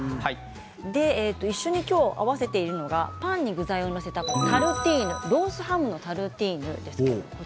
今日、一緒に合わせているのがパンに具材を載せたタルティーヌロースハムのタルティーヌです。